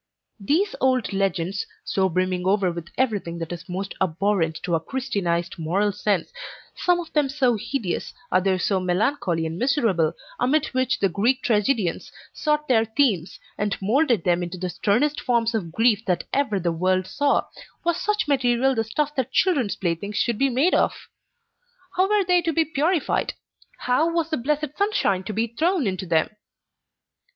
These old legends, so brimming over with everything that is most abhorrent to our Christianized moral sense some of them so hideous, others so melancholy and miserable, amid which the Greek tragedians sought their themes, and moulded them into the sternest forms of grief that ever the world saw; was such material the stuff that children's playthings should be made of! How were they to be purified? How was the blessed sunshine to be thrown into them?